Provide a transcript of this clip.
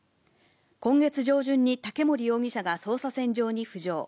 今月上旬に竹森容疑者が捜査線上に浮上。